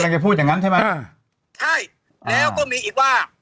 ๙โมงเช้าเนี่ย